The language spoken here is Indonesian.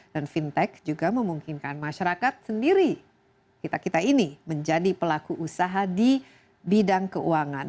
dan fintech juga memungkinkan masyarakat sendiri kita kita ini menjadi pelaku usaha di bidang keuangan